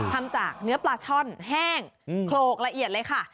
ทำจากเนื้อปลาช่อนแห้งโครกละเอียดเลยค่ะ